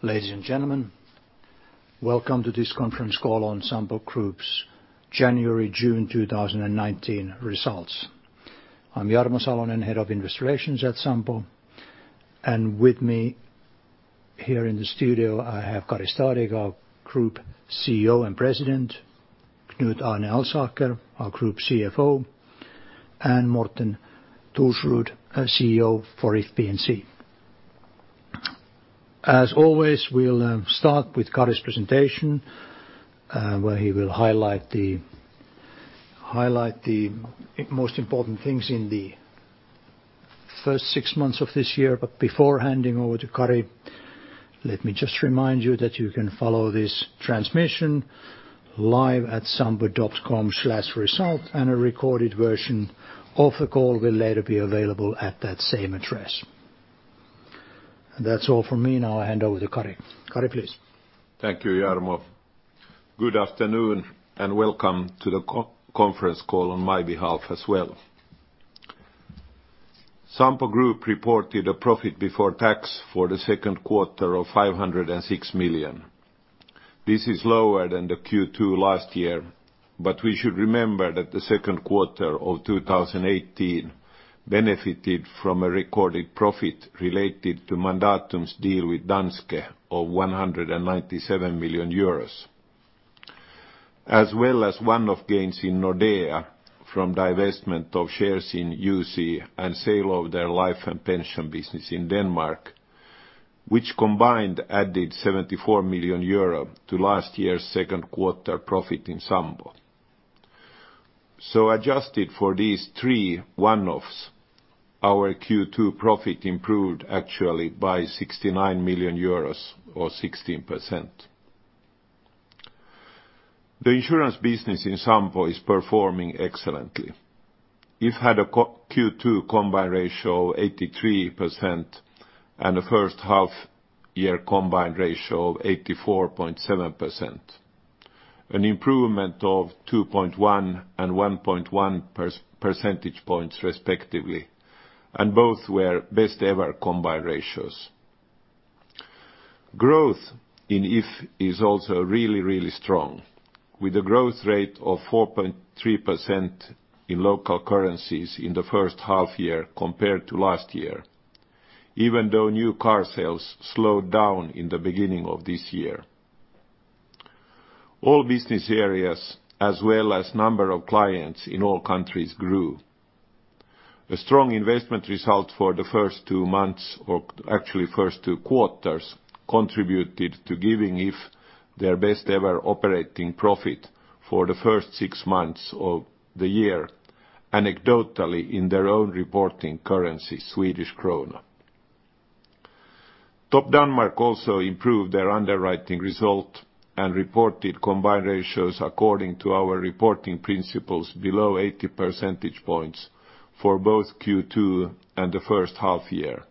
Ladies and gentlemen, welcome to this conference call on Sampo Group's January-June 2019 results. I'm Jarmo Salonen, Head of Investor Relations at Sampo, and with me here in the studio, I have Kari Stadigh, our Group CEO and President, Knut Arne Alsaker, our Group CFO, and Morten Thorsrud, CEO for If P&C. As always, we'll start with Kari's presentation, where he will highlight the most important things in the first six months of this year. Before handing over to Kari, let me just remind you that you can follow this transmission live at sampo.com/results, and a recorded version of the call will later be available at that same address. That's all from me. Now I'll hand over to Kari. Kari, please. Thank you, Jarmo. Good afternoon, and welcome to the conference call on my behalf as well. Sampo Group reported a profit before tax for the second quarter of 506 million. This is lower than the Q2 last year, but we should remember that the second quarter of 2018 benefited from a recorded profit related to Mandatum's deal with Danske of 197 million euros. As well as one-off gains in Nordea from divestment of shares in UC and sale of their life and pension business in Denmark, which combined added 74 million euro to last year's second quarter profit in Sampo. Adjusted for these three one-offs, our Q2 profit improved actually by 69 million euros, or 16%. The insurance business in Sampo is performing excellently. If had a Q2 combined ratio of 83% and a first-half year combined ratio of 84.7%, an improvement of 2.1% and 1.1% percentage points respectively, and both were best ever combined ratios. Growth in If is also really, really strong, with a growth rate of 4.3% in local currencies in the first half year compared to last year, even though new car sales slowed down in the beginning of this year. All business areas, as well as number of clients in all countries grew. A strong investment result for the first two months or actually first two quarters contributed to giving If their best ever operating profit for the first six months of the year, anecdotally in their own reporting currency, Swedish krona. Topdanmark also improved their underwriting result and reported combined ratios according to our reporting principles below 80 percentage points for both Q2 and the first half year.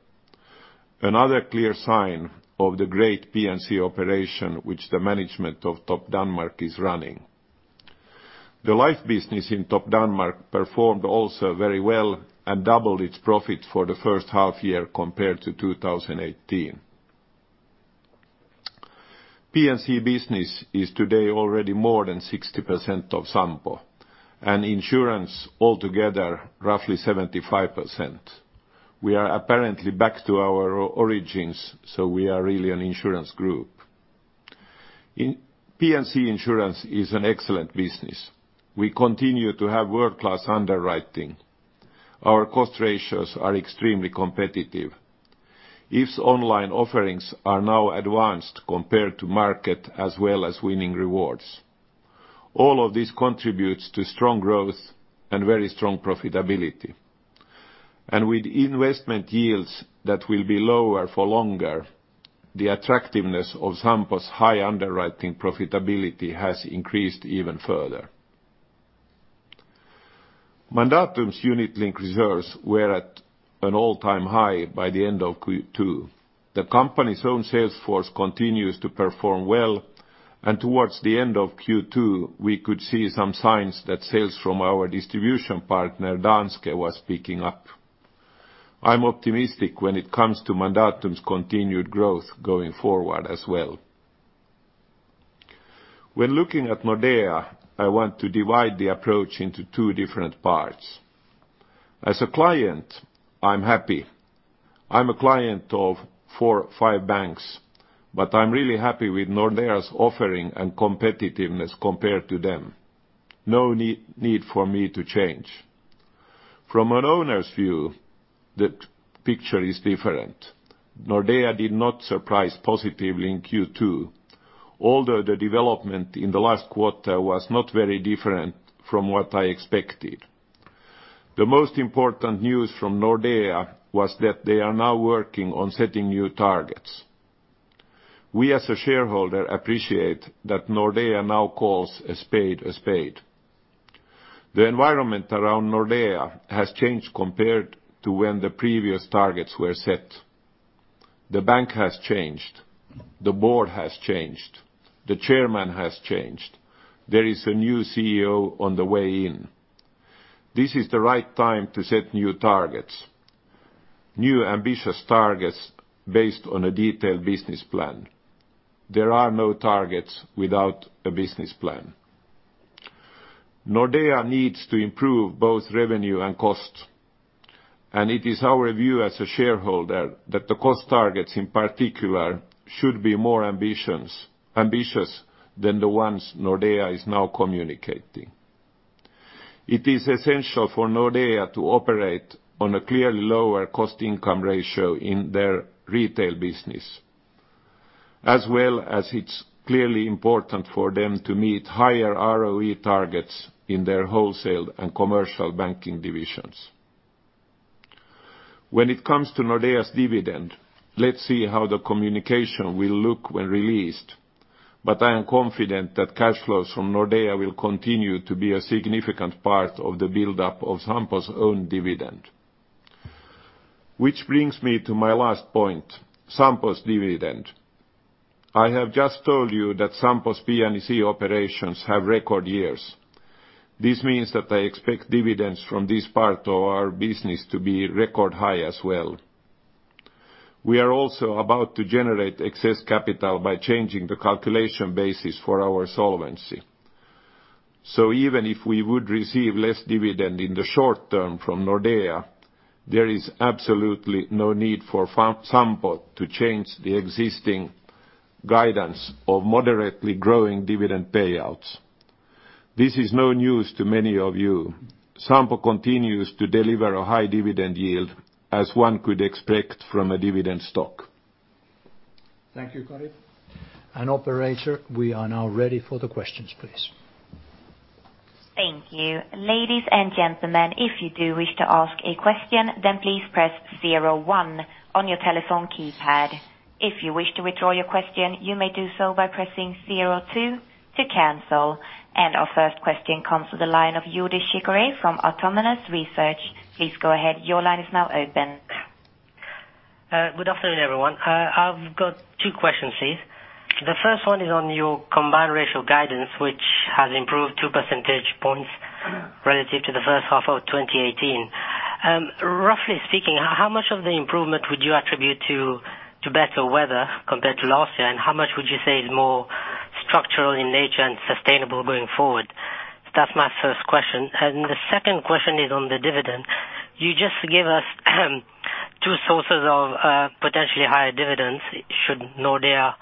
Another clear sign of the great P&C operation which the management of Topdanmark is running. The life business in Topdanmark performed also very well and doubled its profit for the first half year compared to 2018. P&C business is today already more than 60% of Sampo, and insurance altogether roughly 75%. We are apparently back to our origins, we are really an insurance group. P&C insurance is an excellent business. We continue to have world-class underwriting. Our cost ratios are extremely competitive. If's online offerings are now advanced compared to market as well as winning rewards. All of this contributes to strong growth and very strong profitability. With investment yields that will be lower for longer, the attractiveness of Sampo's high underwriting profitability has increased even further. Mandatum's unit link reserves were at an all-time high by the end of Q2. The company's own sales force continues to perform well, and towards the end of Q2, we could see some signs that sales from our distribution partner, Danske, was picking up. I'm optimistic when it comes to Mandatum's continued growth going forward as well. When looking at Nordea, I want to divide the approach into two different parts. As a client, I'm happy. I'm a client of four, five banks, but I'm really happy with Nordea's offering and competitiveness compared to them. No need for me to change. From an owner's view, the picture is different. Nordea did not surprise positively in Q2, although the development in the last quarter was not very different from what I expected. The most important news from Nordea was that they are now working on setting new targets. We, as a shareholder, appreciate that Nordea now calls a spade a spade. The environment around Nordea has changed compared to when the previous targets were set. The bank has changed. The board has changed. The chairman has changed. There is a new CEO on the way in. This is the right time to set new targets. New ambitious targets based on a detailed business plan. There are no targets without a business plan. Nordea needs to improve both revenue and cost, and it is our view as a shareholder that the cost targets in particular should be more ambitious than the ones Nordea is now communicating. It is essential for Nordea to operate on a clearly lower cost-income ratio in their retail business, as well as it is clearly important for them to meet higher ROE targets in their wholesale and commercial banking divisions. When it comes to Nordea's dividend, let's see how the communication will look when released, but I am confident that cash flows from Nordea will continue to be a significant part of the buildup of Sampo's own dividend. Which brings me to my last point, Sampo's dividend. I have just told you that Sampo's P&C operations have record years. This means that I expect dividends from this part of our business to be record high as well. We are also about to generate excess capital by changing the calculation basis for our solvency. Even if we would receive less dividend in the short term from Nordea, there is absolutely no need for Sampo to change the existing guidance of moderately growing dividend payouts. This is no news to many of you. Sampo continues to deliver a high dividend yield, as one could expect from a dividend stock. Thank you, Kari. Operator, we are now ready for the questions, please. Thank you. Ladies and gentlemen, if you do wish to ask a question, please press 01 on your telephone keypad. If you wish to withdraw your question, you may do so by pressing 02 to cancel. Our first question comes to the line of Judy Chicore from Autonomous Research. Please go ahead. Your line is now open. Good afternoon, everyone. I've got two questions, please. The first one is on your combined ratio guidance, which has improved two percentage points relative to the first half of 2018. Roughly speaking, how much of the improvement would you attribute to better weather compared to last year? How much would you say is more structural in nature and sustainable going forward? That's my first question. The second question is on the dividend. You just gave us two sources of potentially higher dividends should Nordea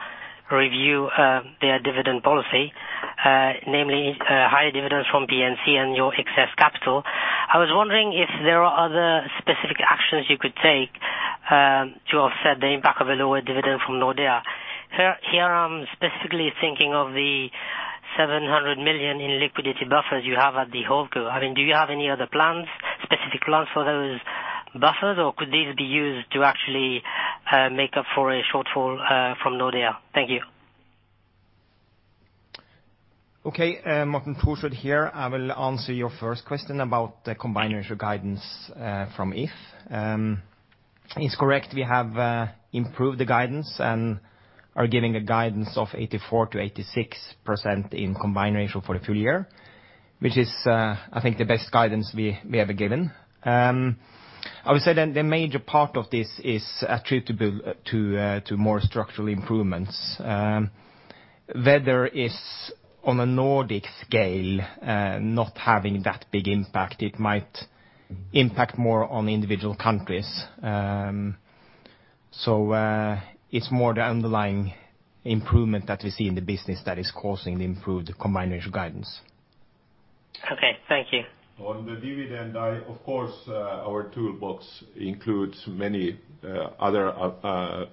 review their dividend policy, namely higher dividends from P&C and your excess capital. I was wondering if there are other specific actions you could take, to offset the impact of a lower dividend from Nordea. Here, I'm specifically thinking of the 700 million in liquidity buffers you have at the holdco. Do you have any other specific plans for those buffers, or could these be used to actually make up for a shortfall from Nordea? Thank you. Okay. Morten Thorsrud here. I will answer your first question about the combined ratio guidance from If. It's correct, we have improved the guidance and are giving a guidance of 84% to 86% in combined ratio for the full year, which is I think the best guidance we ever given. I would say that the major part of this is attributable to more structural improvements. Weather is on a Nordic scale, not having that big impact. It might impact more on individual countries. It's more the underlying improvement that we see in the business that is causing the improved combined ratio guidance. Okay, thank you. On the dividend, of course, our toolbox includes many other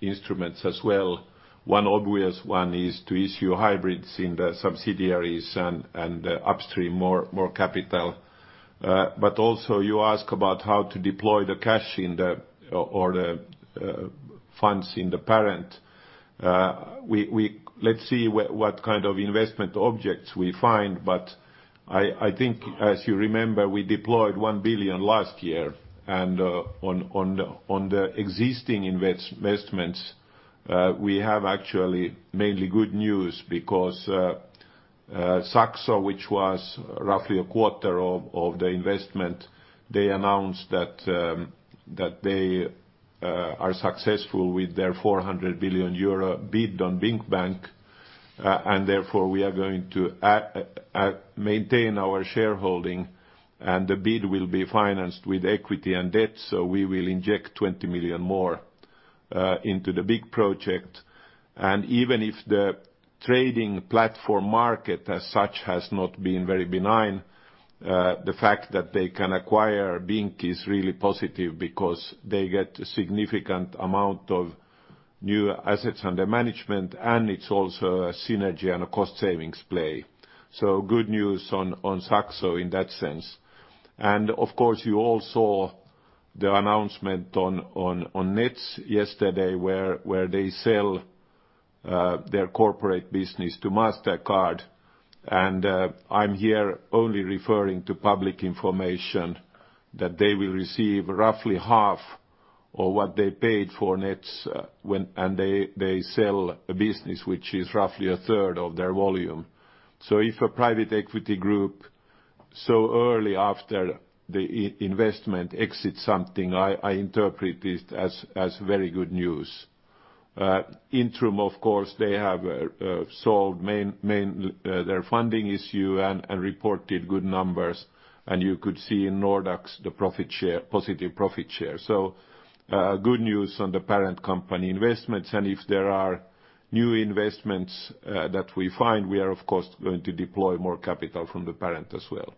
instruments as well. One obvious one is to issue hybrids in the subsidiaries and upstream more capital. Also you ask about how to deploy the cash or the funds in the parent. Let's see what kind of investment objects we find, but I think, as you remember, we deployed 1 billion last year and on the existing investments, we have actually mainly good news because Saxo, which was roughly a quarter of the investment, they announced that they are successful with their €400 billion bid on BinckBank. Therefore, we are going to maintain our shareholding, and the bid will be financed with equity and debt, so we will inject 20 million more into the Binck project. Even if the trading platform market as such has not been very benign, the fact that they can acquire Binck is really positive because they get a significant amount of new assets under management, and it's also a synergy and a cost savings play. Good news on Saxo in that sense. Of course, you all saw the announcement on Nets yesterday, where they sell their corporate business to Mastercard. I'm here only referring to public information that they will receive roughly half or what they paid for Nets and they sell a business which is roughly a third of their volume. If a private equity group so early after the investment exits something, I interpret this as very good news. Intrum, of course, they have solved their funding issue and reported good numbers, and you could see in Nordax, the positive profit share. Good news on the parent company investments, and if there are new investments that we find, we are, of course, going to deploy more capital from the parent as well.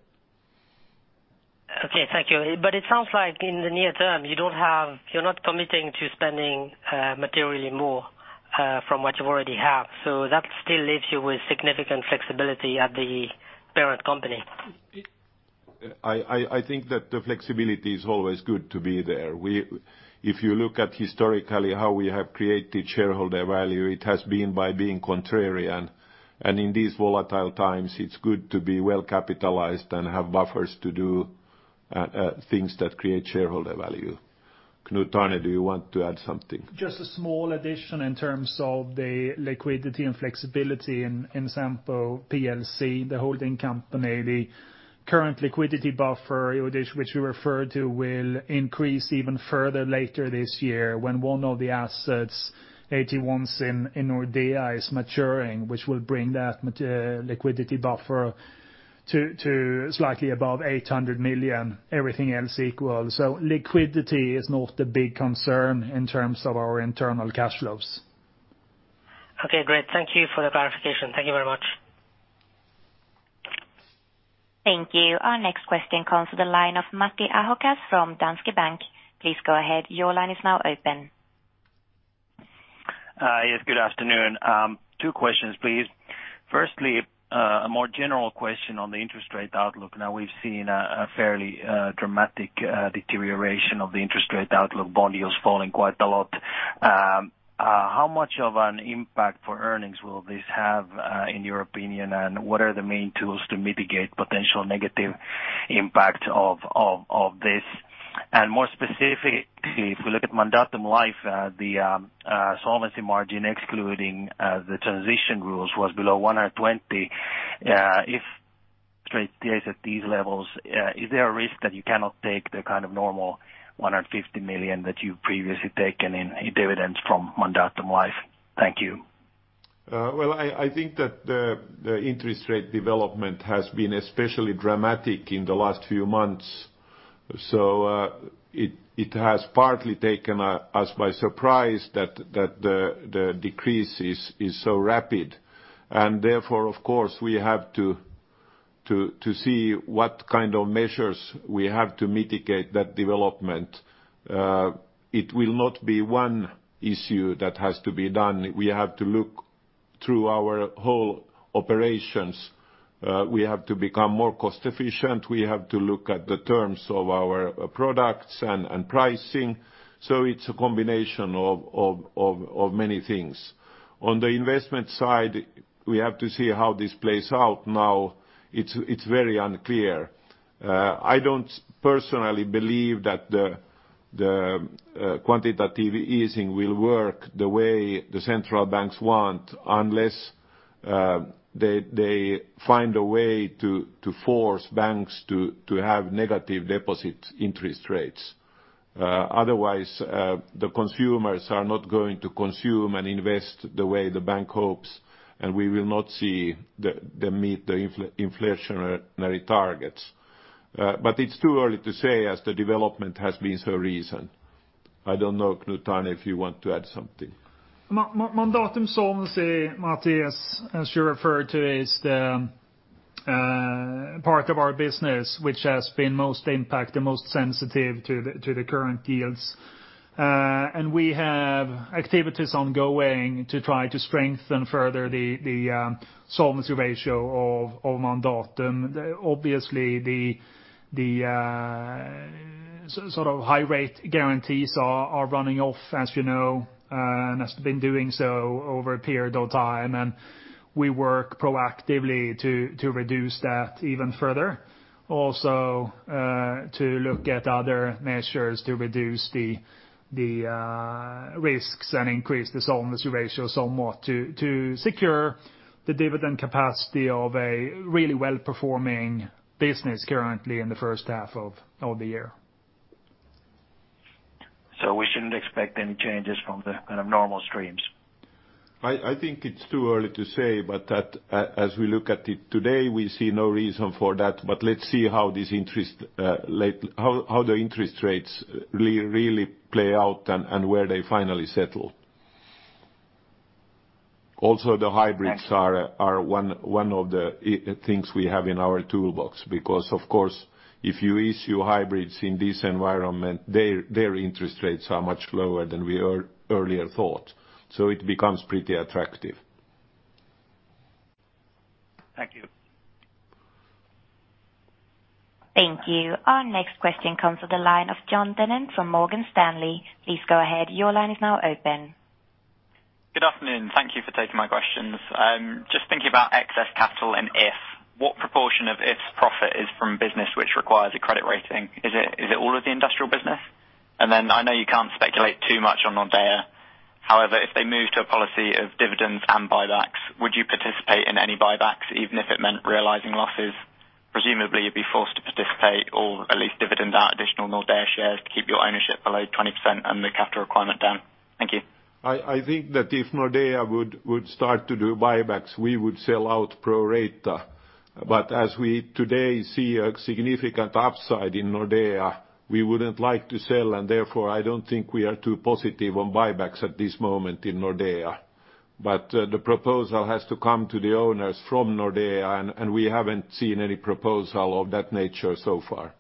Okay. Thank you. It sounds like in the near term, you're not committing to spending materially more from what you already have. That still leaves you with significant flexibility at the parent company. I think that the flexibility is always good to be there. If you look at historically how we have created shareholder value, it has been by being contrarian. In these volatile times, it's good to be well-capitalized and have buffers to do things that create shareholder value. Knut Arne, do you want to add something? Just a small addition in terms of the liquidity and flexibility in Sampo plc, the holding company. The current liquidity buffer, which we referred to will increase even further later this year when one of the assets, 81 in Nordea, is maturing, which will bring that liquidity buffer to slightly above 800 million, everything else equal. Liquidity is not the big concern in terms of our internal cash flows. Okay, great. Thank you for the clarification. Thank you very much. Thank you. Our next question comes to the line of Matti Ahokas from Danske Bank. Please go ahead. Your line is now open. Yes, good afternoon. Two questions, please. Firstly, a more general question on the interest rate outlook. Now we've seen a fairly dramatic deterioration of the interest rate outlook, bond yields falling quite a lot. How much of an impact for earnings will this have, in your opinion? What are the main tools to mitigate potential negative impact of this? More specifically, if we look at Mandatum Life, the solvency margin, excluding the transition rules, was below 120. If straight stays at these levels, is there a risk that you cannot take the kind of normal 150 million that you've previously taken in dividends from Mandatum Life? Thank you. Well, I think that the interest rate development has been especially dramatic in the last few months. It has partly taken us by surprise that the decrease is so rapid. Therefore, of course, we have to see what kind of measures we have to mitigate that development. It will not be one issue that has to be done. We have to look through our whole operations. We have to become more cost-efficient. We have to look at the terms of our products and pricing. It's a combination of many things. On the investment side, we have to see how this plays out now. It's very unclear. I don't personally believe that the quantitative easing will work the way the central banks want, unless they find a way to force banks to have negative deposit interest rates. Otherwise, the consumers are not going to consume and invest the way the bank hopes, and we will not see them meet the inflationary targets. It's too early to say as the development has been so recent. I don't know, Knut Arne, if you want to add something. Mandatum solvency, Matti, as you referred to, is the part of our business which has been most impacted, most sensitive to the current yields. We have activities ongoing to try to strengthen further the solvency ratio of Mandatum. Obviously, the high-rate guarantees are running off, as you know, and has been doing so over a period of time, and we work proactively to reduce that even further. Also to look at other measures to reduce the risks and increase the solvency ratio somewhat to secure the dividend capacity of a really well-performing business currently in the first half of the year. We shouldn't expect any changes from the normal streams? I think it's too early to say, as we look at it today, we see no reason for that. Let's see how the interest rates really play out and where they finally settle. Also, the hybrids are one of the things we have in our toolbox, because of course, if you issue hybrids in this environment, their interest rates are much lower than we earlier thought. It becomes pretty attractive. Thank you. Thank you. Our next question comes to the line of Jon Tennant from Morgan Stanley. Please go ahead. Your line is now open. Good afternoon. Thank you for taking my questions. Just thinking about excess capital and If, what proportion of If's profit is from business which requires a credit rating? Is it all of the industrial business? I know you can't speculate too much on Nordea. However, if they move to a policy of dividends and buybacks, would you participate in any buybacks even if it meant realizing losses? Presumably, you'd be forced to participate, or at least dividend out additional Nordea shares to keep your ownership below 20% and the capital requirement down. Thank you. I think that if Nordea would start to do buybacks, we would sell out pro rata. As we today see a significant upside in Nordea, we wouldn't like to sell, and therefore, I don't think we are too positive on buybacks at this moment in Nordea. The proposal has to come to the owners from Nordea, and we haven't seen any proposal of that nature so far.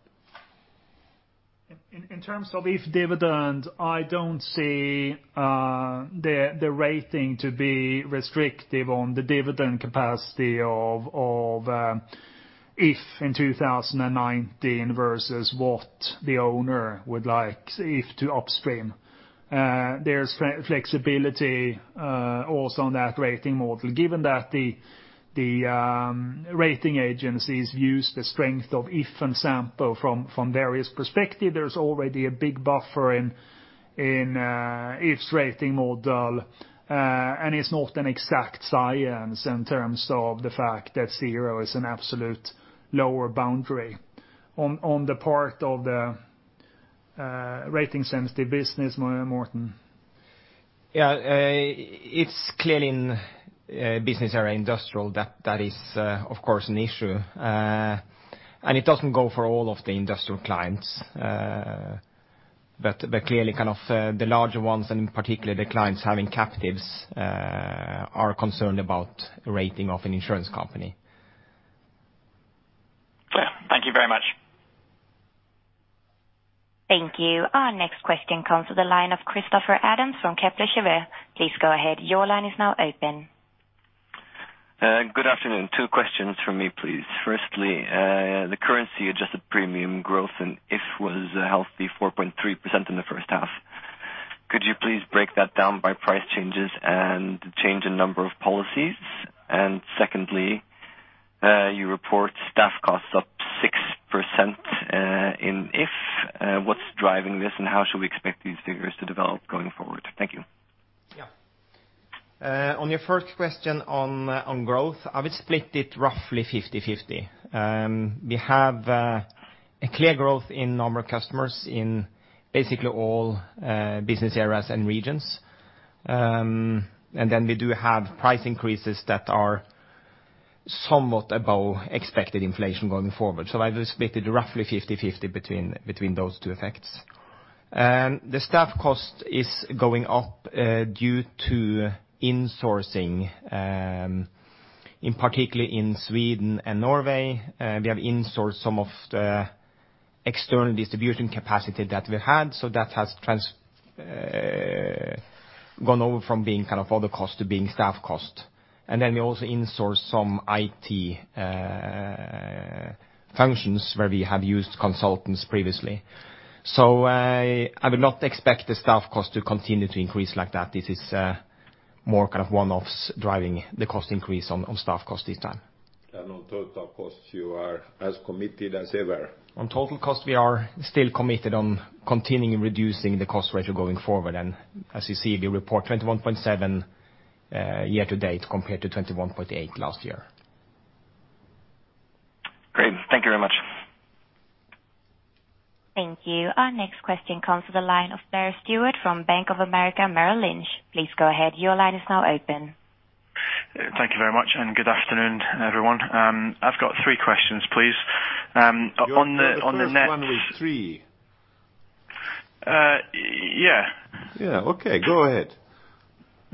In terms of If dividend, I don't see the rating to be restrictive on the dividend capacity of If in 2019 versus what the owner would like If to upstream. There's flexibility, also on that rating model. Given that the rating agencies use the strength of If and Sampo from various perspective, there's already a big buffer in If's rating model, and it's not an exact science in terms of the fact that zero is an absolute lower boundary. On the part of the rating sensitive business, Morten. Yeah. It's clearly in business area industrial that is, of course, an issue. It doesn't go for all of the industrial clients. Clearly, the larger ones, and in particular the clients having captives, are concerned about rating of an insurance company. Clear. Thank you very much. Thank you. Our next question comes to the line of Christopher Adams from Kepler Cheuvreux. Please go ahead. Your line is now open. Good afternoon. Two questions from me, please. Firstly, the currency adjusted premium growth in If was a healthy 4.3% in the first half. Could you please break that down by price changes and change in number of policies? Secondly, you report staff costs up 6% in If. What's driving this, and how should we expect these figures to develop going forward? Thank you. Yeah. On your first question on growth, I would split it roughly 50/50. We have a clear growth in number of customers in basically all business areas and regions. We do have price increases that are somewhat above expected inflation going forward. I would split it roughly 50/50 between those two effects. The staff cost is going up due to insourcing. Particularly in Sweden and Norway, we have insourced some of the external distribution capacity that we had. That has gone over from being other cost to being staff cost. We also insourced some IT functions where we have used consultants previously. I would not expect the staff cost to continue to increase like that. This is more one-offs driving the cost increase on staff cost this time. On total cost, you are as committed as ever. On total cost, we are still committed on continuing reducing the cost ratio going forward. As you see, we report 21.7% year-to-date compared to 21.8% last year. Great. Thank you very much. Thank you. Our next question comes to the line of Blair Stewart from Bank of America Merrill Lynch. Please go ahead. Your line is now open. Thank you very much, and good afternoon, everyone. I've got three questions, please. Your first one was three. Yeah. Yeah. Okay. Go ahead.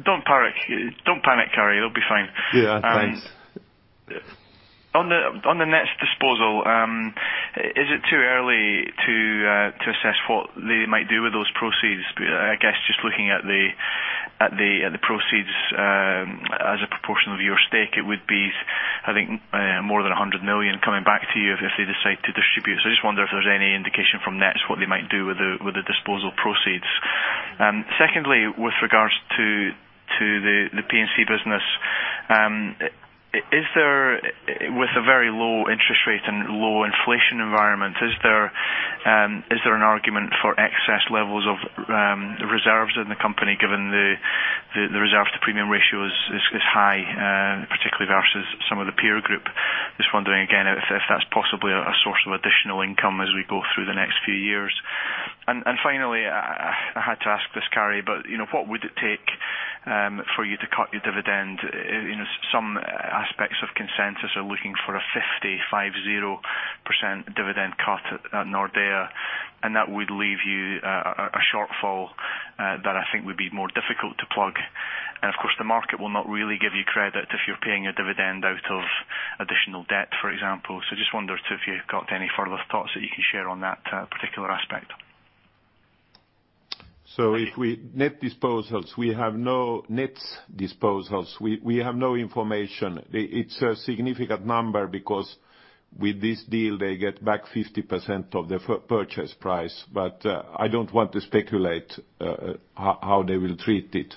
Don't panic, Kari. It'll be fine. Yeah, thanks. On the Nets disposal, is it too early to assess what they might do with those proceeds? I guess just looking at the proceeds as a proportion of your stake, it would be, I think, more than 100 million coming back to you if they decide to distribute. I just wonder if there's any indication from Nets what they might do with the disposal proceeds. Secondly, with regards to the P&C business, with a very low interest rate and low inflation environment, is there an argument for excess levels of reserves in the company given the reserve to premium ratio is high, particularly versus some of the peer group. Just wondering again if that's possibly a source of additional income as we go through the next few years. Finally, I had to ask this, Kari, but what would it take for you to cut your dividend? Some aspects of consensus are looking for a 50, five zero % dividend cut at Nordea, and that would leave you a shortfall that I think would be more difficult to plug. Of course, the market will not really give you credit if you're paying a dividend out of additional debt, for example. Just wondered if you've got any further thoughts that you can share on that particular aspect. Net disposals, we have no net disposals. We have no information. It's a significant number because with this deal they get back 50% of the purchase price, but I don't want to speculate how they will treat it.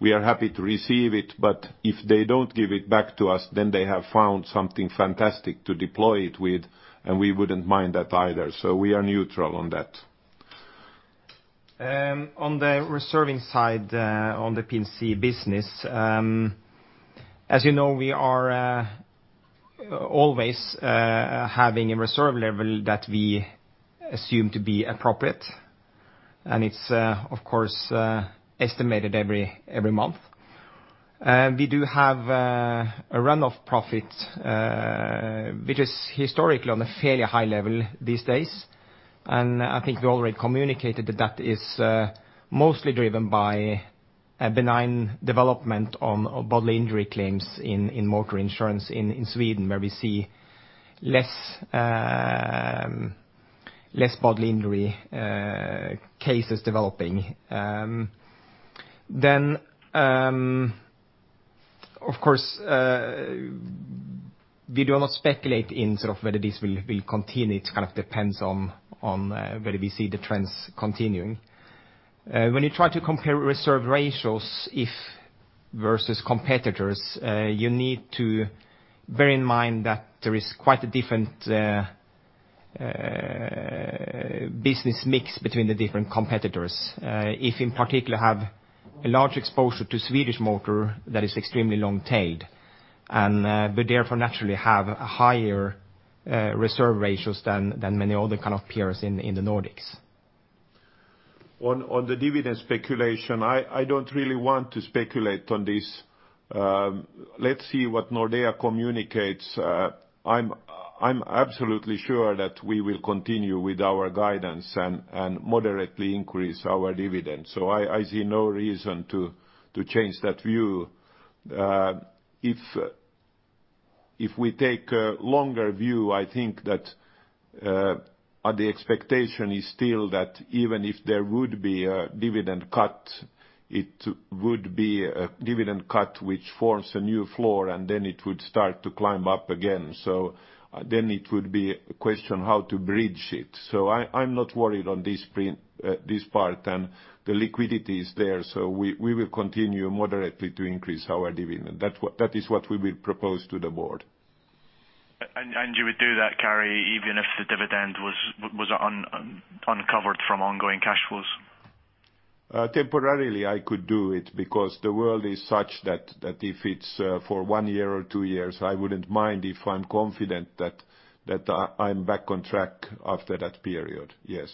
We are happy to receive it, but if they don't give it back to us, then they have found something fantastic to deploy it with, and we wouldn't mind that either. We are neutral on that. On the reserving side, on the P&C business, as you know, we are always having a reserve level that we assume to be appropriate, and it's, of course, estimated every month. We do have a run-off profit, which is historically on a fairly high level these days, and I think we already communicated that is mostly driven by a benign development on bodily injury claims in motor insurance in Sweden, where we see less bodily injury cases developing. Of course, we do not speculate in sort of whether this will continue. It kind of depends on whether we see the trends continuing. When you try to compare reserve ratios versus competitors, you need to bear in mind that there is quite a different business mix between the different competitors. If, in particular, have a large exposure to Swedish motor that is extremely long tailed, and we therefore naturally have higher reserve ratios than many other kind of peers in the Nordics. On the dividend speculation, I don't really want to speculate on this. Let's see what Nordea communicates. I'm absolutely sure that we will continue with our guidance and moderately increase our dividend. I see no reason to change that view. If we take a longer view, I think that the expectation is still that even if there would be a dividend cut, it would be a dividend cut, which forms a new floor, and then it would start to climb up again. It would be a question how to bridge it. I'm not worried on this part, and the liquidity is there. We will continue moderately to increase our dividend. That is what we will propose to the board. You would do that, Kari, even if the dividend was uncovered from ongoing cash flows? Temporarily, I could do it because the world is such that if it's for one year or two years, I wouldn't mind if I'm confident that I'm back on track after that period. Yes.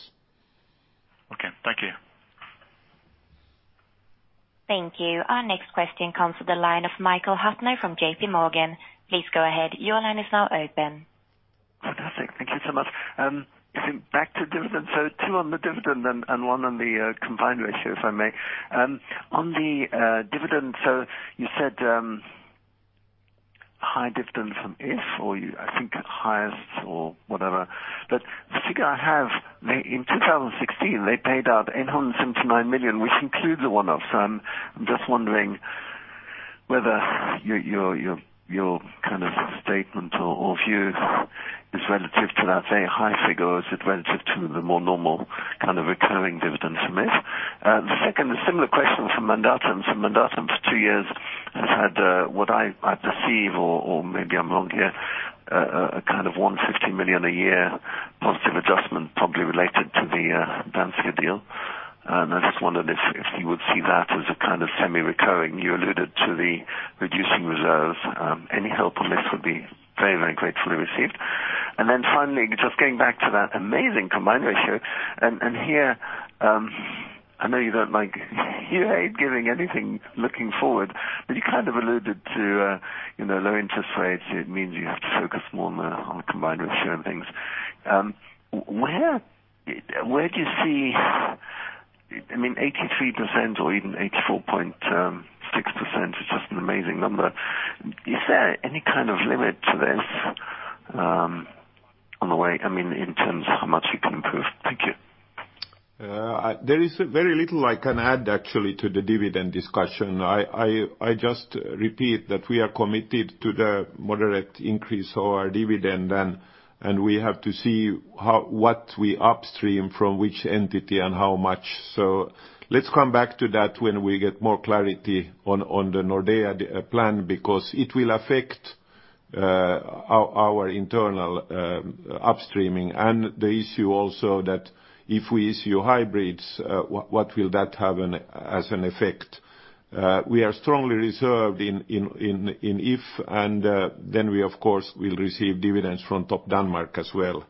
Okay. Thank you. Thank you. Our next question comes to the line of Michael Huttner from JPMorgan. Please go ahead. Your line is now open. Fantastic. Thank you so much. I think back to dividend. Two on the dividend and one on the combined ratio, if I may. On the dividend, you said high dividend from If or I think highest or whatever. The figure I have, in 2016, they paid out 879 million, which includes a one-off. I'm just wondering whether your kind of statement or views is relative to that very high figure, or is it relative to the more normal kind of recurring dividend from If. The second, a similar question from Mandatum. Mandatum, for two years, has had what I perceive or maybe I'm wrong here, a kind of 150 million a year positive adjustment, probably related to the Danske deal. I just wondered if you would see that as a kind of semi-recurring. You alluded to the reducing reserve. Any help on this would be very, very gratefully received. Finally, just going back to that amazing combined ratio, and here, I know you hate giving anything looking forward, but you kind of alluded to low interest rates. It means you have to focus more on the combined ratio and things. I mean, 83% or even 84.6% is just an amazing number. Is there any kind of limit to this on the way, I mean, in terms of how much you can improve? Thank you. There is very little I can add actually to the dividend discussion. I just repeat that we are committed to the moderate increase of our dividend, and we have to see what we upstream from which entity and how much. Let's come back to that when we get more clarity on the Nordea plan, because it will affect our internal upstreaming and the issue also that if we issue hybrids, what will that have as an effect. We are strongly reserved in If and then we, of course, will receive dividends from Topdanmark as well.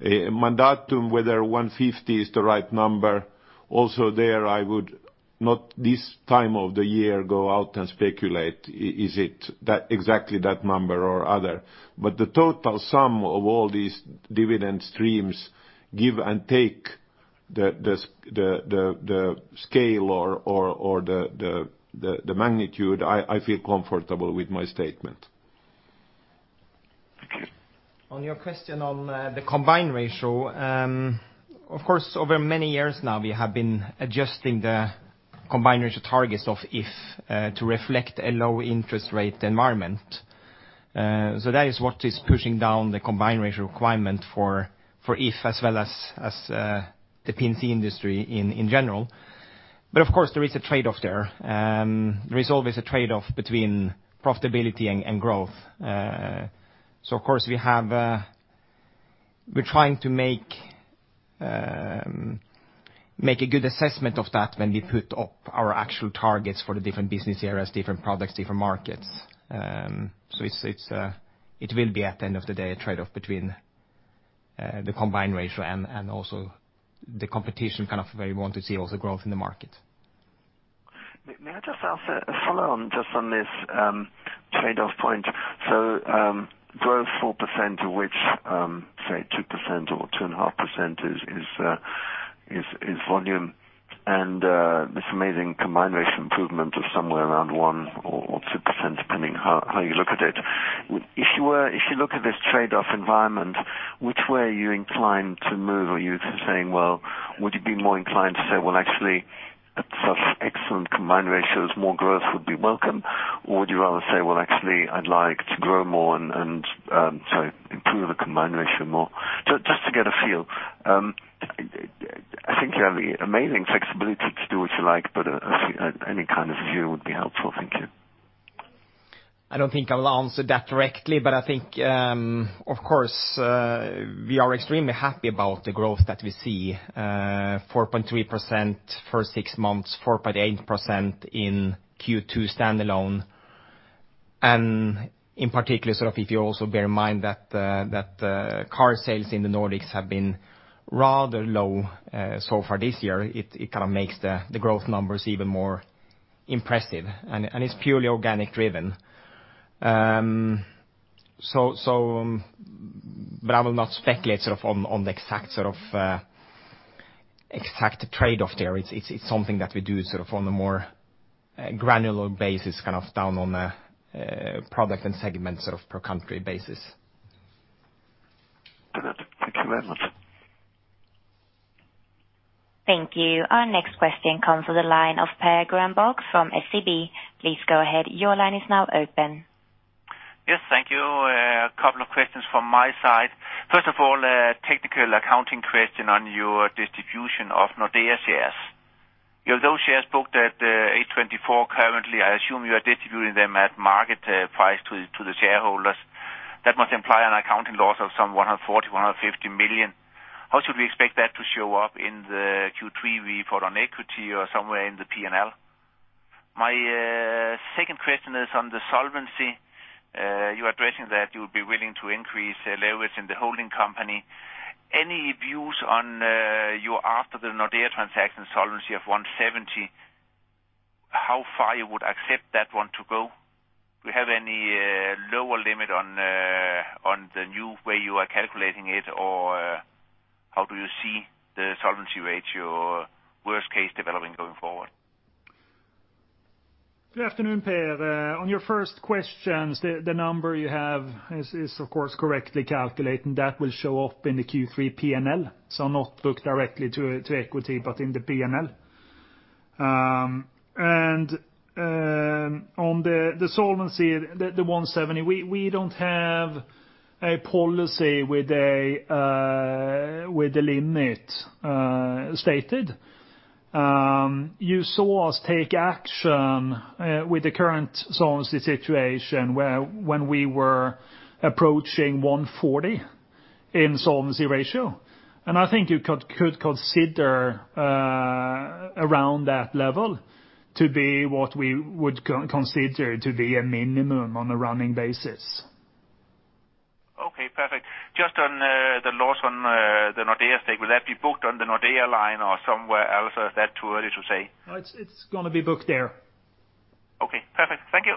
Mandatum, whether 150 is the right number, also there I would not this time of the year go out and speculate is it exactly that number or other. The total sum of all these dividend streams, give and take the scale or the magnitude, I feel comfortable with my statement. On your question on the combined ratio, of course, over many years now, we have been adjusting the combined ratio targets of If to reflect a low interest rate environment. That is what is pushing down the combined ratio requirement for If, as well as the P&C industry in general. Of course, there is a trade-off there. There is always a trade-off between profitability and growth. Of course, we're trying to make a good assessment of that when we put up our actual targets for the different business areas, different products, different markets. It will be, at the end of the day, a trade-off between the combined ratio and also the competition kind of where we want to see also growth in the market. May I just ask a follow-on just on this trade-off point? Growth 4%, of which, say 2% or 2.5% is volume, and this amazing combined ratio improvement of somewhere around 1% or 2%, depending how you look at it. If you look at this trade-off environment, which way are you inclined to move? Are you saying, well, would you be more inclined to say, well, actually, at such excellent combined ratios, more growth would be welcome? Would you rather say, well, actually, I'd like to grow more and, sorry, improve the combined ratio more? Just to get a feel. I think you have amazing flexibility to do what you like, but any kind of view would be helpful. Thank you. I don't think I'll answer that directly, I think, of course, we are extremely happy about the growth that we see, 4.3% for six months, 4.8% in Q2 standalone. In particular, if you also bear in mind that car sales in the Nordics have been rather low so far this year, it kind of makes the growth numbers even more impressive, and it's purely organic driven. I will not speculate on the exact sort of trade-off there. It's something that we do sort of on a more granular basis, kind of down on a product and segment sort of per country basis. Got it. Thank you very much. Thank you. Our next question comes to the line of Per Granborg from SEB. Please go ahead. Your line is now open. Yes, thank you. A couple of questions from my side. First of all, a technical accounting question on your distribution of Nordea shares. Those shares booked at 824 currently, I assume you are distributing them at market price to the shareholders. That must imply an accounting loss of some 140 million, 150 million. How should we expect that to show up in the Q3 report on equity or somewhere in the P&L? My second question is on the solvency. You are addressing that you will be willing to increase leverage in the holding company. Any views on your after the Nordea transaction solvency of 170%, how far you would accept that one to go? Do you have any lower limit on the new way you are calculating it, or how do you see the solvency ratio worst case developing going forward? Good afternoon, Per. On your first questions, the number you have is of course correctly calculated, and that will show up in the Q3 P&L. Not booked directly to equity, but in the P&L. On the solvency, the 170, we don't have a policy with a limit stated. You saw us take action with the current solvency situation when we were approaching 140 in solvency ratio. I think you could consider around that level to be what we would consider to be a minimum on a running basis. Okay, perfect. Just on the loss on the Nordea stake, will that be booked on the Nordea line or somewhere else, or is that too early to say? No, it's going to be booked there. Okay, perfect. Thank you.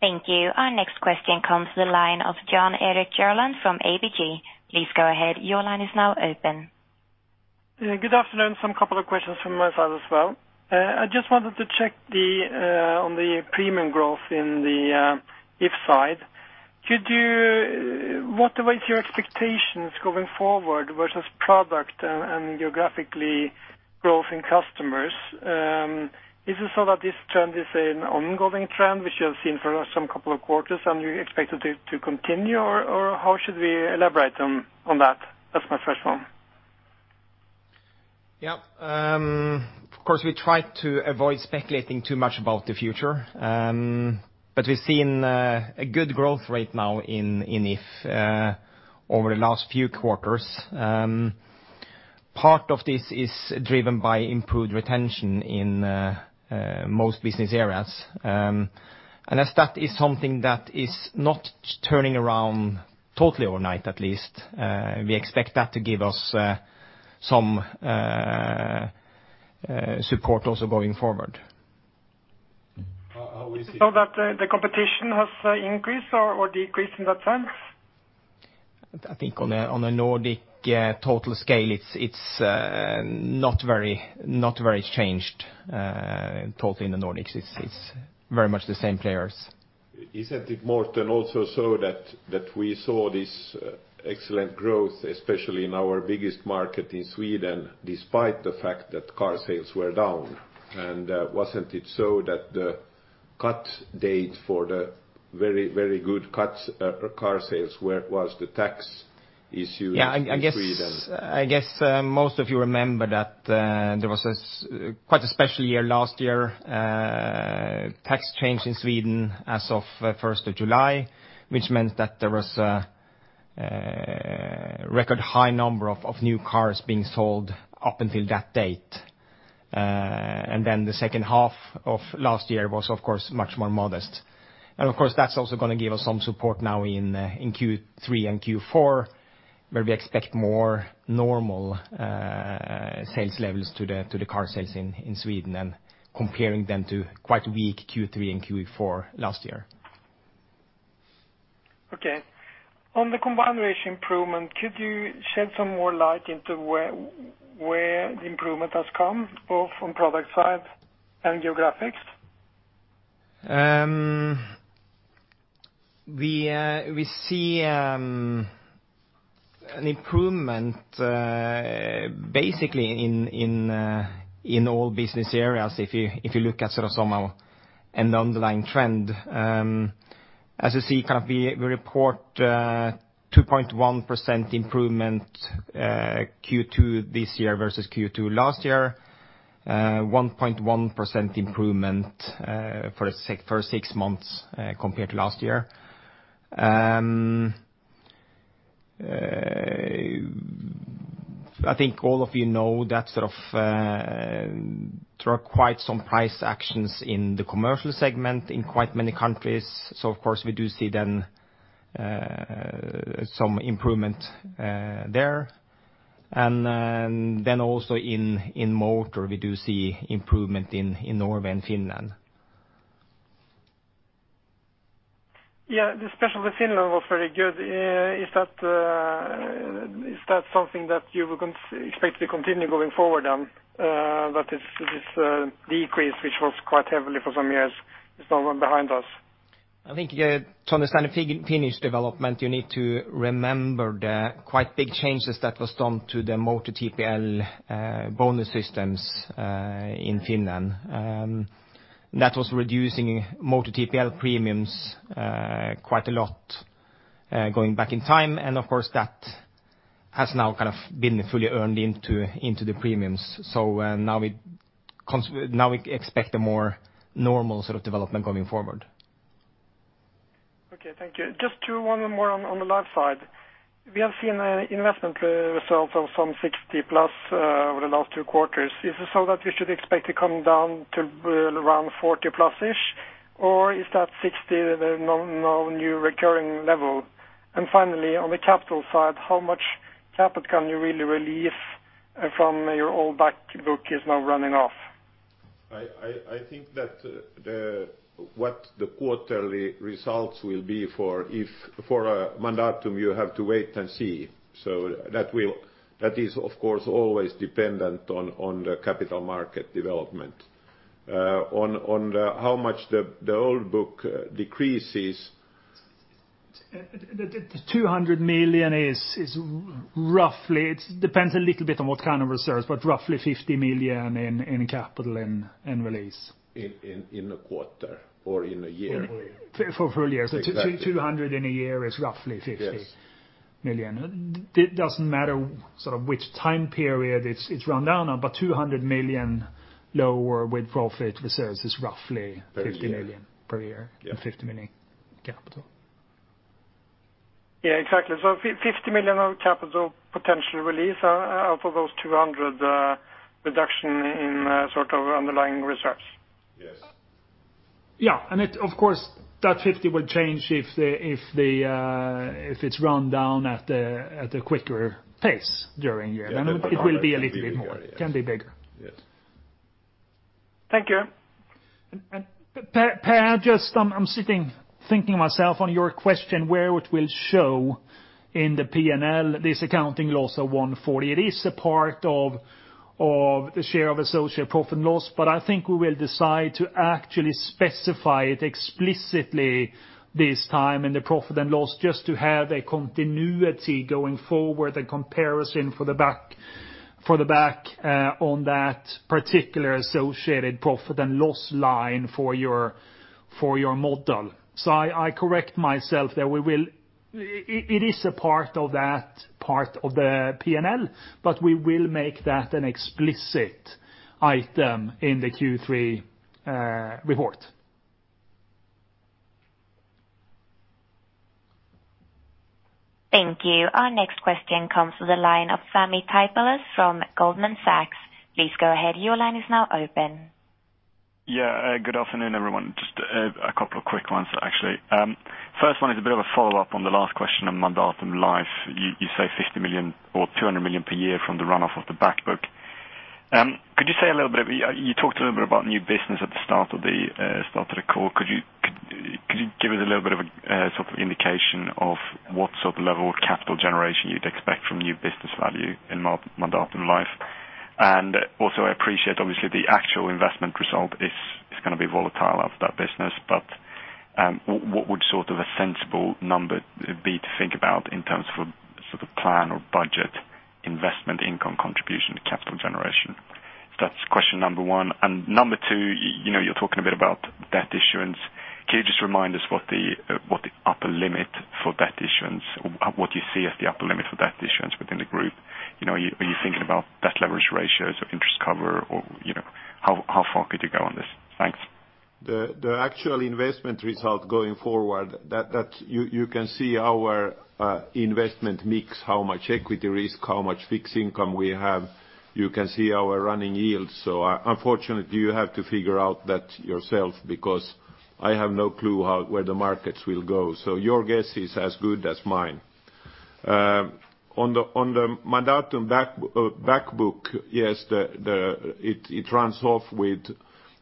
Thank you. Our next question comes to the line of Jan Erik Gjerland from ABG. Please go ahead. Your line is now open. Good afternoon. Some couple of questions from my side as well. I just wanted to check on the premium growth in the If side. What are your expectations going forward versus product and geographically growth in customers? Is it so that this trend is an ongoing trend, which you have seen for some couple of quarters, and you expect it to continue, or how should we elaborate on that? That's my first one. Yeah. Of course, we try to avoid speculating too much about the future. We've seen a good growth rate now in If over the last few quarters. Part of this is driven by improved retention in most business areas. As that is something that is not turning around totally overnight, at least, we expect that to give us some support also going forward. Is it so that the competition has increased or decreased in that sense? I think on a Nordic total scale, it's not very changed totally in the Nordics. It's very much the same players. Isn't it, Morten, also so that we saw this excellent growth, especially in our biggest market in Sweden, despite the fact that car sales were down? Wasn't it so that the cut date for the very good car sales was the tax issue in Sweden? Yeah, I guess most of you remember that there was quite a special year last year, tax change in Sweden as of 1st of July. Which meant that there was a record high number of new cars being sold up until that date. The second half of last year was, of course, much more modest. Of course, that's also going to give us some support now in Q3 and Q4, where we expect more normal sales levels to the car sales in Sweden, and comparing them to quite weak Q3 and Q4 last year. Okay. On the combined ratio improvement, could you shed some more light into where the improvement has come, both from product side and geographics? We see an improvement basically in all business areas, if you look at somehow an underlying trend. As you see, we report 2.1% improvement Q2 this year versus Q2 last year, 1.1% improvement for six months compared to last year. I think all of you know that there are quite some price actions in the commercial segment in quite many countries. Of course, we do see then some improvement there. Then also in motor, we do see improvement in Norway and Finland. Especially Finland was very good. Is that something that you would expect to continue going forward then? That this decrease, which was quite heavily for some years, is now behind us. I think to understand Finnish development, you need to remember the quite big changes that was done to the motor TPL bonus systems in Finland. That was reducing motor TPL premiums quite a lot going back in time. Of course, that has now been fully earned into the premiums. Now we expect a more normal sort of development going forward. Okay, thank you. Just one more on the life side. We have seen investment results of some 60 plus over the last two quarters. Is it so that we should expect to come down to around 40 plus-ish, or is that 60 the new recurring level? Finally, on the capital side, how much capital can you really release from your old back book is now running off? I think that what the quarterly results will be for Mandatum, you have to wait and see. That is, of course, always dependent on the capital market development. On how much the old book decreases. 200 million is roughly, it depends a little bit on what kind of reserves, but roughly 50 million in capital in release. In a quarter or in a year. For a full year. Exactly. 200 in a year is roughly 50 million. Yes. It doesn't matter which time period it's run down on, but 200 million lower with profit reserves is roughly 50 million per year- Per year, yeah. 50 million capital. Yeah, exactly. 50 million of capital potential release off of those 200 reduction in underlying reserves. Yes. Yeah. Of course, that 50 will change if it's run down at a quicker pace during the year. It will be a little bit more. It will be bigger, yes. Can be bigger. Yes. Thank you. Per, just I'm sitting thinking myself on your question, where it will show in the P&L, this accounting loss of 140. It is a part of the share of associate profit and loss, but I think we will decide to actually specify it explicitly this time in the profit and loss, just to have a continuity going forward, a comparison for the back on that particular associated profit and loss line for your model. I correct myself there. It is a part of the P&L, but we will make that an explicit item in the Q3 report. Thank you. Our next question comes to the line of Sami Taipalus from Goldman Sachs. Please go ahead. Your line is now open. Yeah. Good afternoon, everyone. Just a couple of quick ones, actually. First one is a bit of a follow-up on the last question on Mandatum Life. You say 50 million or 200 million per year from the runoff of the back book. Could you say a little bit, you talked a little bit about new business at the start of the call. Could you give us a little bit of an indication of what level of capital generation you'd expect from new business value in Mandatum Life? Also I appreciate obviously the actual investment result is going to be volatile out of that business. What would a sensible number be to think about in terms of plan or budget investment income contribution to capital generation? That's question number one. Number two, you're talking a bit about debt issuance. Can you just remind us what the upper limit for debt issuance, what you see as the upper limit for debt issuance within the group? Are you thinking about debt leverage ratios or interest cover or how far could you go on this? Thanks. The actual investment result going forward, you can see our investment mix, how much equity risk, how much fixed income we have. You can see our running yields. Unfortunately, you have to figure out that yourself because I have no clue where the markets will go. Your guess is as good as mine. On the Mandatum back book, yes, it runs off with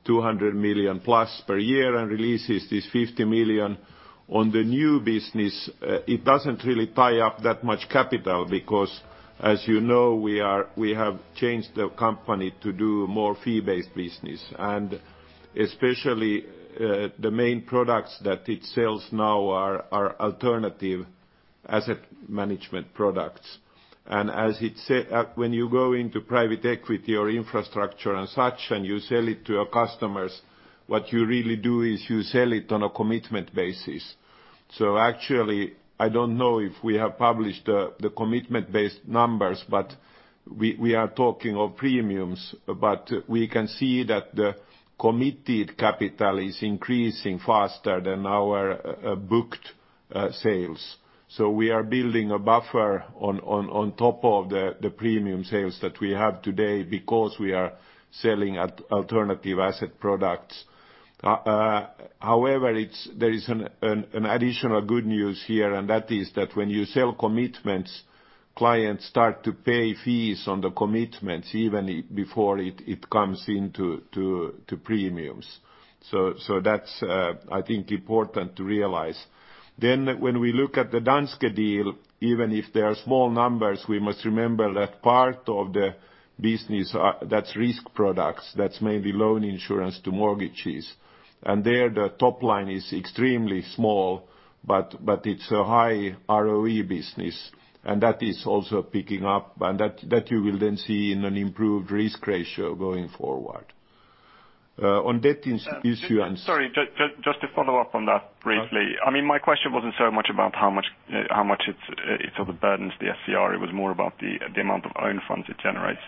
200 million plus per year and releases this 50 million. On the new business, it doesn't really tie up that much capital because as you know, we have changed the company to do more fee-based business. Especially the main products that it sells now are alternative asset management products. When you go into private equity or infrastructure and such and you sell it to your customers, what you really do is you sell it on a commitment basis. Actually, I don't know if we have published the commitment-based numbers, but we are talking of premiums. We can see that the committed capital is increasing faster than our booked sales. We are building a buffer on top of the premium sales that we have today because we are selling alternative asset products. However, there is an additional good news here, and that is that when you sell commitments, clients start to pay fees on the commitments even before it comes into premiums. That's, I think important to realize. When we look at the Danske deal, even if they are small numbers, we must remember that part of the business that's risk products, that's mainly loan insurance to mortgages. There, the top line is extremely small, but it's a high ROE business, and that is also picking up, and that you will then see in an improved risk ratio going forward. On debt issuance. Sorry, just to follow up on that briefly. My question wasn't so much about how much it burdens the SCR, it was more about the amount of own funds it generates.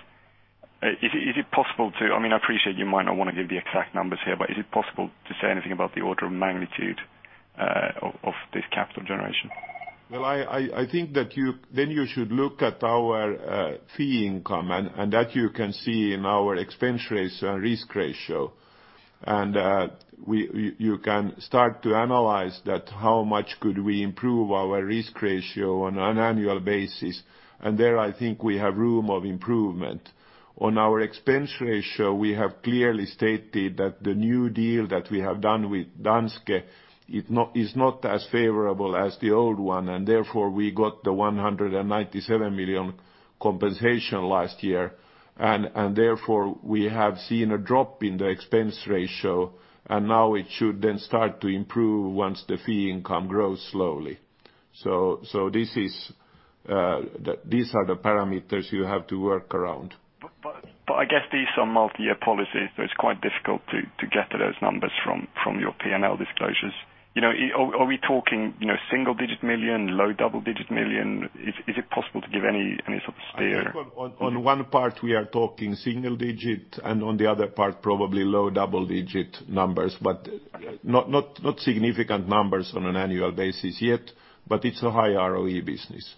I appreciate you might not want to give the exact numbers here, but is it possible to say anything about the order of magnitude of this capital generation? I think that then you should look at our fee income. That you can see in our expense ratio and risk ratio. You can start to analyze that how much could we improve our risk ratio on an annual basis. There, I think we have room of improvement. On our expense ratio, we have clearly stated that the new deal that we have done with Danske is not as favorable as the old one. Therefore we got the 197 million compensation last year. Therefore, we have seen a drop in the expense ratio. Now it should then start to improve once the fee income grows slowly. These are the parameters you have to work around. I guess these are multi-year policies, so it's quite difficult to get to those numbers from your P&L disclosures. Are we talking single digit million, low double digit million? Is it possible to give any sort of steer? I think on one part we are talking single digit, and on the other part, probably low double digit numbers. Not significant numbers on an annual basis yet, but it's a high ROE business.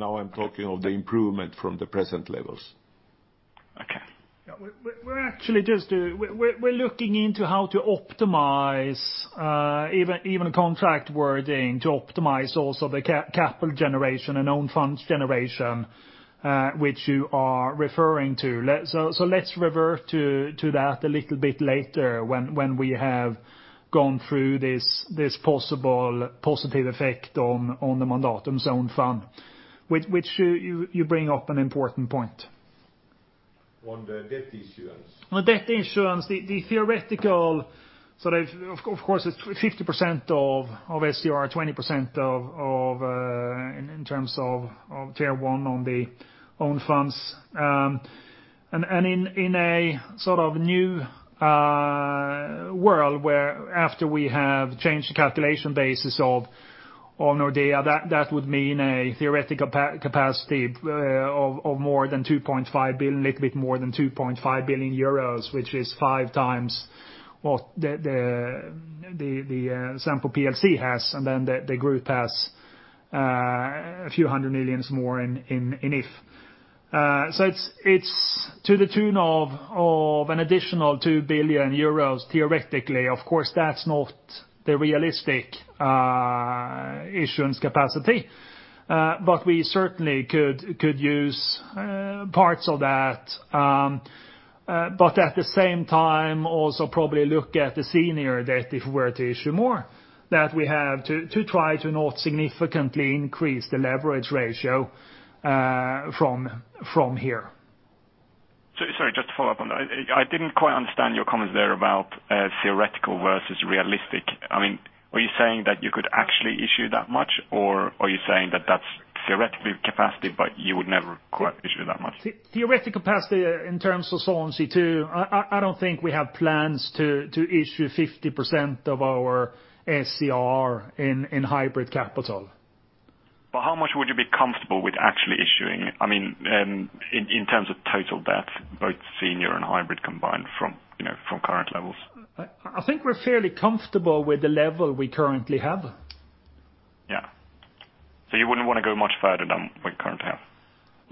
I'm talking of the improvement from the present levels. Okay. We're looking into how to optimize even contract wording to optimize also the capital generation and own funds generation, which you are referring to. Let's revert to that a little bit later when we have gone through this possible positive effect on the Mandatum own fund, which you bring up an important point. On the debt issuance. On debt issuance, the theoretical, of course, it's 50% of SCR, 20% in terms of Tier 1 on the own funds. In a new world where after we have changed the calculation basis of Nordea, that would mean a theoretical capacity of more than 2.5 billion, a little bit more than 2.5 billion euros, which is five times what the Sampo plc has, and then the group has a few hundred millions more in If. It's to the tune of an additional 2 billion euros theoretically. Of course, that's not the realistic issuance capacity. We certainly could use parts of that, but at the same time also probably look at the senior debt if we were to issue more, that we have to try to not significantly increase the leverage ratio from here. Sorry, just to follow up on that. I didn't quite understand your comments there about theoretical versus realistic. Were you saying that you could actually issue that much, or are you saying that that's theoretical capacity, but you would never quite issue that much? Theoretical capacity in terms of Solvency II, I don't think we have plans to issue 50% of our SCR in hybrid capital. How much would you be comfortable with actually issuing, in terms of total debt, both senior and hybrid combined from current levels? I think we're fairly comfortable with the level we currently have. Yeah. You wouldn't want to go much further than what you currently have?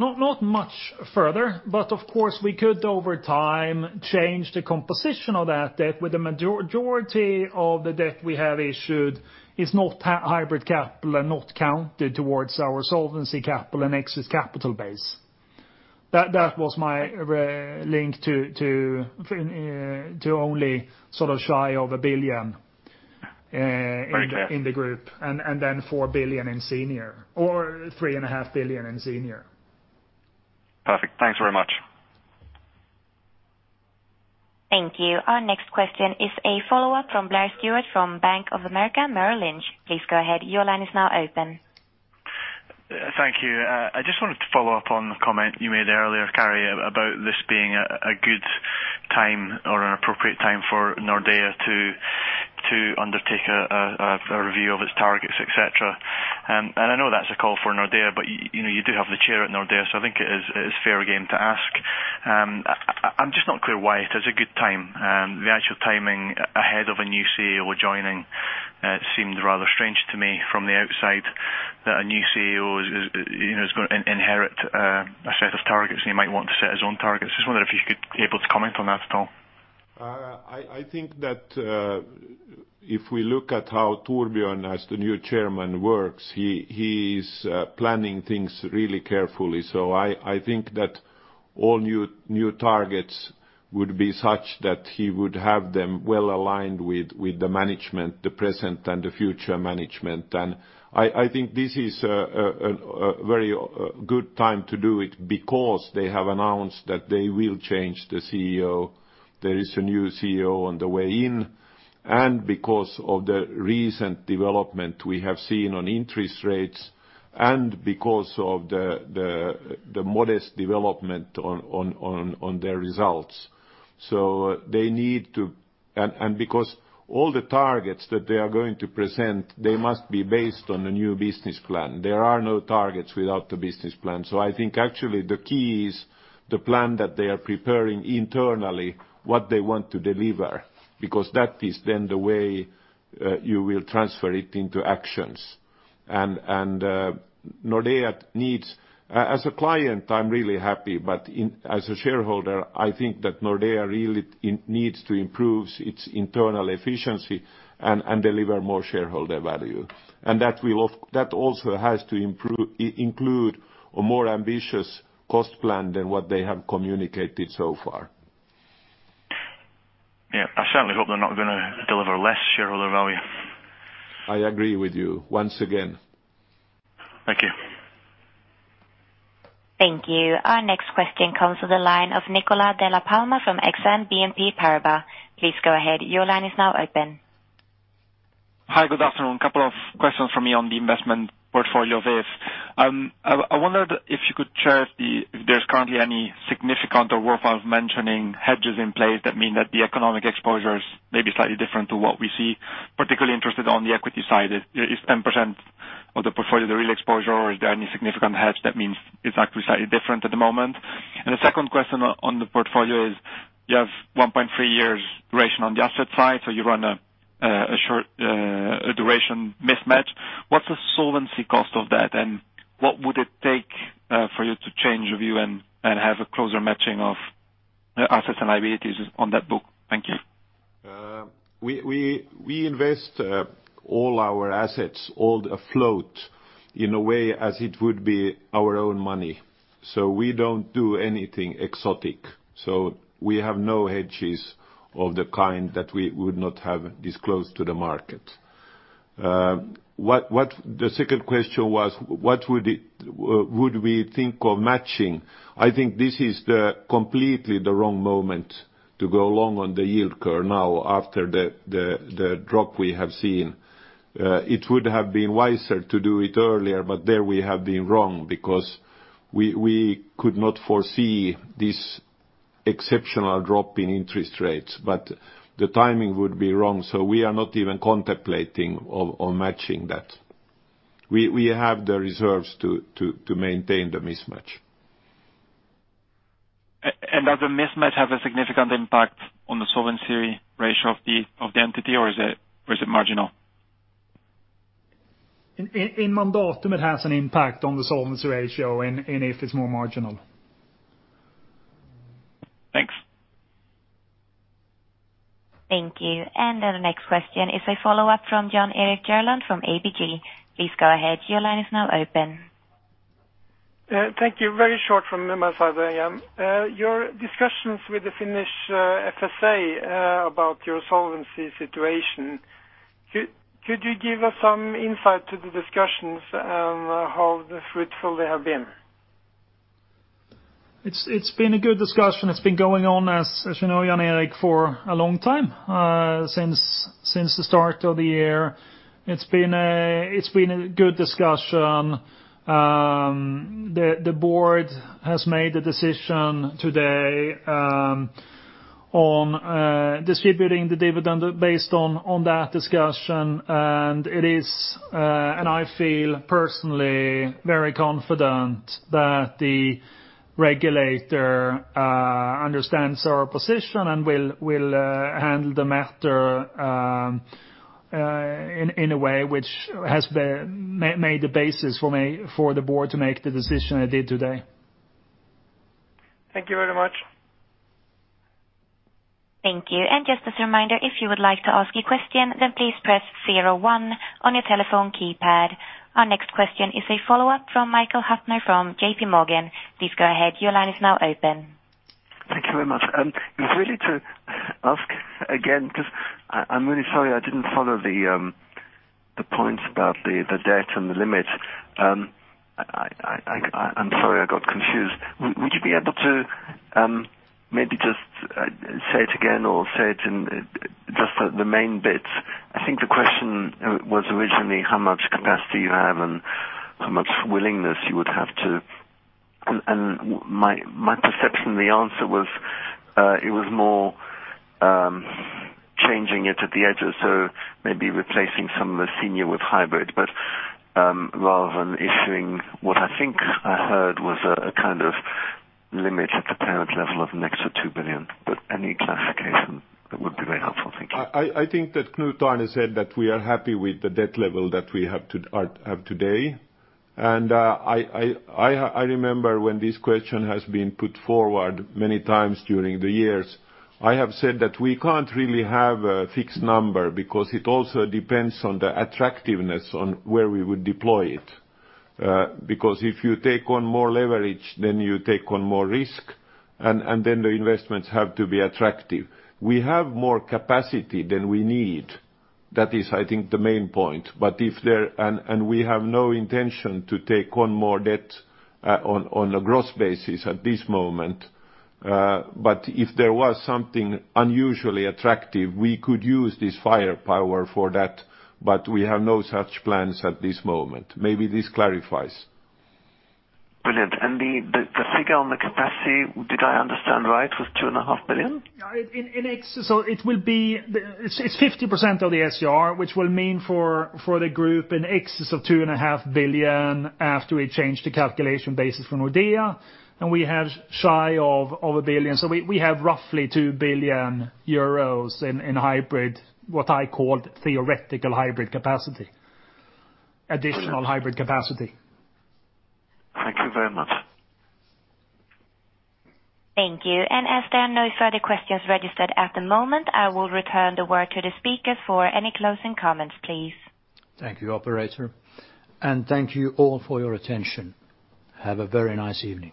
Not much further. Of course, we could, over time, change the composition of that debt with the majority of the debt we have issued is not hybrid capital and not counted towards our solvency capital and excess capital base. That was my link to only shy of 1 billion- Okay In the group, 4 billion in senior or 3.5 billion in senior. Perfect. Thanks very much. Thank you. Our next question is a follow-up from Blair Stewart from Bank of America Merrill Lynch. Please go ahead. Your line is now open. Thank you. I just wanted to follow up on the comment you made earlier, Kari, about this being a good time or an appropriate time for Nordea to undertake a review of its targets, et cetera. I know that's a call for Nordea, but you do have the chair at Nordea, so I think it is fair game to ask. I'm just not clear why it is a good time. The actual timing ahead of a new CEO joining seemed rather strange to me from the outside that a new CEO is going to inherit a set of targets, and he might want to set his own targets. I just wonder if you could able to comment on that at all. I think that if we look at how Torbjörn as the new chairman works, he is planning things really carefully. I think that all new targets would be such that he would have them well-aligned with the management, the present and the future management. I think this is a very good time to do it because they have announced that they will change the CEO. There is a new CEO on the way in, and because of the recent development we have seen on interest rates, and because of the modest development on their results. Because all the targets that they are going to present, they must be based on a new business plan. There are no targets without the business plan. I think actually the key is the plan that they are preparing internally, what they want to deliver, because that is then the way you will transfer it into actions. Nordea needs As a client, I'm really happy, but as a shareholder, I think that Nordea really needs to improve its internal efficiency and deliver more shareholder value. That also has to include a more ambitious cost plan than what they have communicated so far. Yeah. I certainly hope they're not going to deliver less shareholder value. I agree with you once again. Thank you. Thank you. Our next question comes to the line of Niccolo de La Palma from Exane BNP Paribas. Please go ahead. Your line is now open. Hi. Good afternoon. A couple of questions from me on the investment portfolio of If. I wondered if you could share if there's currently any significant or worth of mentioning hedges in place that mean that the economic exposures may be slightly different to what we see. Particularly interested on the equity side. Is 10% of the portfolio the real exposure, or is there any significant hedge that means it's actually slightly different at the moment? The second question on the portfolio is, you have 1.3 years duration on the asset side, so you run a short duration mismatch. What's the solvency cost of that, and what would it take for you to change your view and have a closer matching of assets and liabilities on that book? Thank you. We invest all our assets, all the float, in a way as it would be our own money. We don't do anything exotic. We have no hedges of the kind that we would not have disclosed to the market. The second question was, what would we think of matching? I think this is completely the wrong moment to go long on the yield curve now after the drop we have seen. It would have been wiser to do it earlier, but there we have been wrong because we could not foresee this exceptional drop in interest rates, but the timing would be wrong. We are not even contemplating on matching that. We have the reserves to maintain the mismatch. Does the mismatch have a significant impact on the solvency ratio of the entity, or is it marginal? In Mandatum, it has an impact on the solvency ratio. In If, it's more marginal. Thank you. The next question is a follow-up from Jan Erik Gjerland from ABG. Please go ahead. Your line is now open. Thank you. Very short from my side. Your discussions with the Finnish FSA about your solvency situation, could you give us some insight to the discussions on how fruitful they have been? It's been a good discussion. It's been going on, as you know, Jan Erik, for a long time, since the start of the year. It's been a good discussion. The board has made a decision today on distributing the dividend based on that discussion. I feel personally very confident that the regulator understands our position and will handle the matter in a way which has made the basis for the board to make the decision it did today. Thank you very much. Thank you. Just as a reminder, if you would like to ask a question, then please press 01 on your telephone keypad. Our next question is a follow-up from Michael Huttner from JPMorgan. Please go ahead. Your line is now open. Thank you very much. It's really to ask again, because I'm really sorry I didn't follow the points about the debt and the limit. I'm sorry I got confused. Would you be able to maybe just say it again or say it in just the main bits? I think the question was originally how much capacity you have and how much willingness you would have to. My perception, the answer was, it was more changing it at the edges. Maybe replacing some of the senior with hybrid, but rather than issuing what I think I heard was a kind of limit at the parent level of an extra 2 billion, but any clarification, that would be very helpful. Thank you. I think that Knut Arne said that we are happy with the debt level that we have today. I remember when this question has been put forward many times during the years. I have said that we can't really have a fixed number because it also depends on the attractiveness on where we would deploy it. If you take on more leverage, then you take on more risk, and then the investments have to be attractive. We have more capacity than we need. That is, I think, the main point. We have no intention to take on more debt on a gross basis at this moment. If there was something unusually attractive, we could use this firepower for that, but we have no such plans at this moment. Maybe this clarifies. Brilliant. The figure on the capacity, did I understand right, was two and a half billion? It's 50% of the SCR, which will mean for the group in excess of 2.5 billion after we change the calculation basis from Nordea, and we have shy of 1 billion. We have roughly 2 billion euros in hybrid, what I call theoretical hybrid capacity. Additional hybrid capacity. Thank you very much. Thank you. As there are no further questions registered at the moment, I will return the word to the speakers for any closing comments, please. Thank you, operator. Thank you all for your attention. Have a very nice evening.